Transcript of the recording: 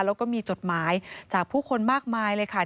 แล้วก็มีจดหมายจากผู้คนมากมายเลยค่ะ